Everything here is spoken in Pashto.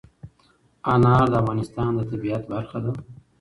انار د افغانستان د طبیعت برخه ده.